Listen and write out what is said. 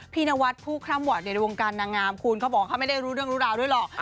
นวัดผู้คร่ำหอดในวงการนางงามคุณเขาบอกว่าเขาไม่ได้รู้เรื่องรู้ราวด้วยหรอก